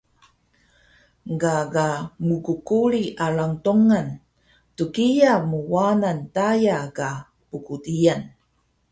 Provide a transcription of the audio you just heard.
Gaga mqquri alang Tongan dgiyaq Mwanan daya ka Pgdiyan